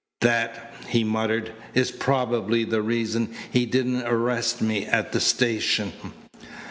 "That," he muttered, "is probably the reason he didn't arrest me at the station."